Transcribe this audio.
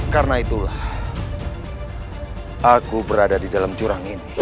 karena itulah aku berada di dalam jurang ini